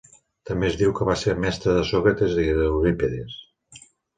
També es diu que va ser mestre de Sòcrates i d'Eurípides.